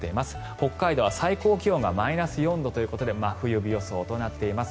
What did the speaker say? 北海道は最高気温がマイナス４度ということで真冬日予想となっています。